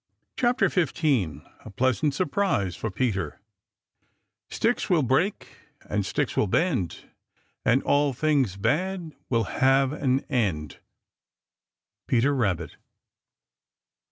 CHAPTER XV A PLEASANT SURPRISE FOR PETER Sticks will break and sticks will bend, And all things bad will have an end. Peter Rabbit.